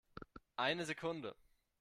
Eine Sekunde!